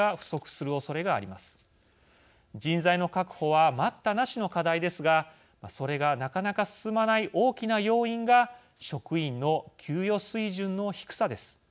人材の確保は待ったなしの課題ですがそれがなかなか進まない大きな要因が職員の給与水準の低さです。